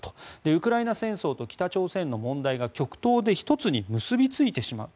ウクライナ戦争と北朝鮮の問題が極東で１つに結びついてしまう。